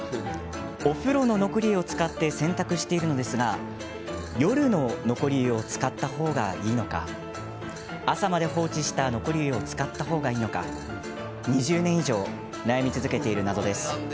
お風呂の残り湯を使って洗濯をしているのですが夜の残り湯を使った方がいいのか朝まで放置した残り湯を使った方がいいのか２０年以上悩み続けている謎です。